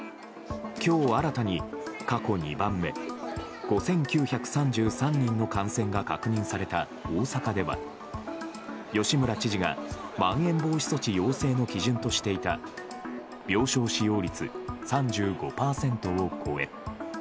今日新たに過去２番目５９３３人の感染が確認された大阪では吉村知事が、まん延防止措置要請の基準としていた病床使用率３５％を超え。